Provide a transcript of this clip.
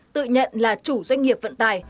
tự nhận là chủ doanh nghiệp vận tài